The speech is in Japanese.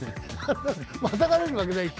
またがれるわけないし。